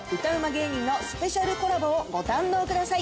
芸人のスペシャルコラボをご堪能ください。